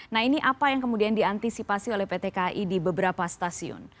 nah ini apa yang kemudian diantisipasi oleh pt kai di beberapa stasiun